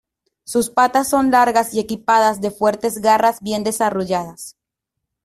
Sus patas son largas y equipadas de fuertes garras bien desarrolladas.